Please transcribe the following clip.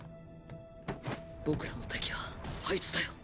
僕らの敵はあいつだよ。